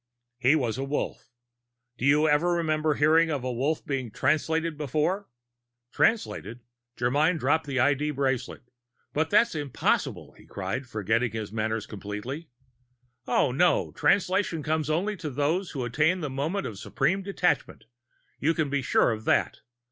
"He was a Wolf. Do you ever remember hearing of a Wolf being Translated before?" "Translated?" Germyn dropped the ID bracelet. "But that's impossible!" he cried, forgetting his manners completely. "Oh, no! Translation comes only to those who attain the moment of supreme detachment, you can be sure of that.